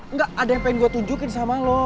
enggak ada yang pengen gue tunjukin sama lo